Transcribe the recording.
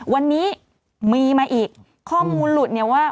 วันนี้มีมาอีกข้อมูลหลุดเนี่ยว่า